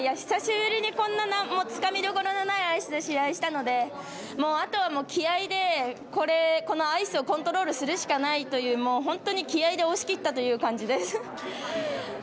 久しぶりにこんなつかみどころのないアイスで試合したのであとは気合いでアイスをコントロールするしかないという本当に気合いで押し切ったという感じです。